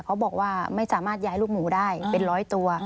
เขาบอกว่าไม่สามารถย้ายลูกหมูได้เป็นร้อยตัว